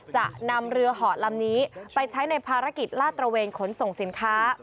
จะนำเรือหอดลำนี้ไปใช้ในภารกิจลาดตระเวนขนส่งสินค้า